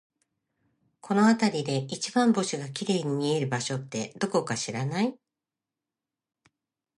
この辺りで一番星が綺麗に見える場所って、どこか知らない？